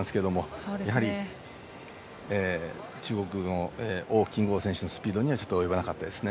やはり、中国の王金剛選手のスピードには及ばなかったですね。